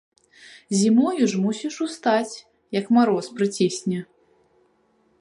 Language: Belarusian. Зімою ж мусіш устаць, як мароз прыцісне.